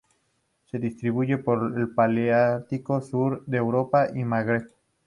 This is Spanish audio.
Se distribuye por el paleártico: sur de Europa y el Magreb.